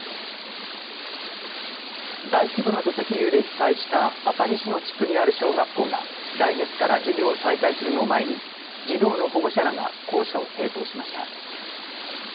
大規模な土石流で被災した熱海市の地区にある小学校が来月から授業を再開するのを前に児童の保護者らが校舎を清掃しました。